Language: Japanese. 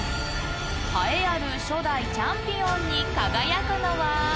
［栄えある初代チャンピオンに輝くのは⁉］